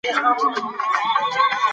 ما له هغې څخه د نویو شاګردانو کیسې واورېدې.